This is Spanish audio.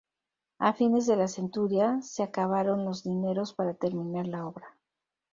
A fines de la centuria se acabaron los dineros para terminar la obra.